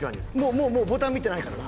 もうもうボタン見てないからな。